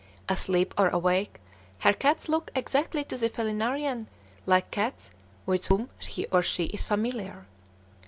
Asleep or awake, her cats look exactly to the "felinarian" like cats with whom he or she is familiar.